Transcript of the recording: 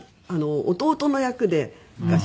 弟の役で昔ね。